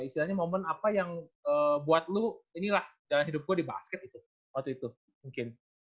istilahnya momen apa yang buat lu inilah jalan hidup gua di basket waktu itu mungkin